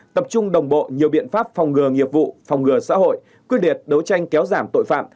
tập trung đồng bộ nhiều biện pháp phòng ngừa nghiệp vụ phòng ngừa xã hội quyết liệt đấu tranh kéo giảm tội phạm